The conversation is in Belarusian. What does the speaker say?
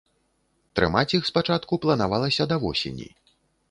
Трымаць іх спачатку планавалася да восені.